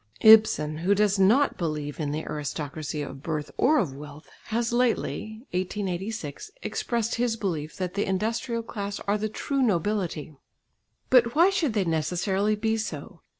Ibsen, who does not believe in the aristocracy of birth or of wealth, has lately (1886) expressed his belief that the industrial class are the true nobility. But why should they necessarily be so?